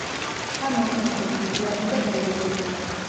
ცა მოწმენდილი, მზიანი და გრილია.